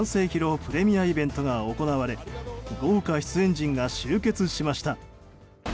プレミアイベントが行われ豪華出演陣が集結しました。